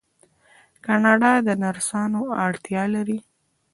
کاناډا د نرسانو اړتیا لري.